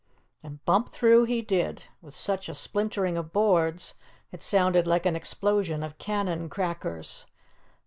And bump through he did, with such a splintering of boards it sounded like an explosion of cannon crackers.